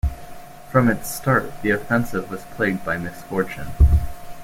From its start the offensive was plagued by misfortune.